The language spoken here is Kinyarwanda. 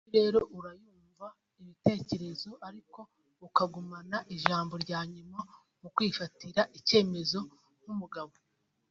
Amajwi rero urayumva (ibitekerezo) ariko ukagumana ijambo ryanyuma mu kwifatira icyemezo nk’umugabo